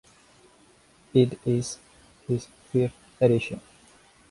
It is his fifth edition.